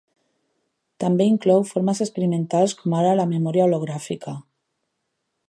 També inclou formes experimentals com ara la memòria hologràfica.